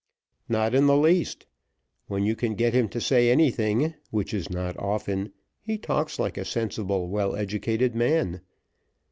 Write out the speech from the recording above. "Not in the least. When you can get him to say anything, which is not often, he talks like a sensible, well educated man.